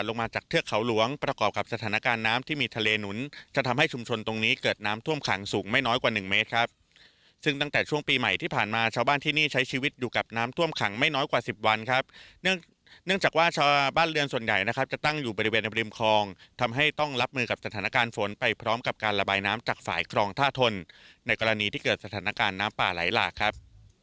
เนื่องจากว่าชาวบ้านเรือนส่วนใหญ่นะครับจะตั้งอยู่บริเวณบริมคลองทำให้ต้องรับมือกับสถานการณ์ฝนไปพร้อมกับการระบายน้ำจากฝ่ายครองท่าทนในกรณีที่เกิดสถานการณ์น้ำป่าไหลหลากครับ